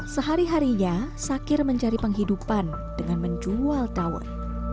sehari harinya sakir mencari penghidupan dengan menjual dawet